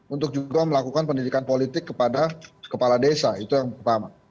untuk juga melakukan pendidikan politik kepada kepala desa itu yang pertama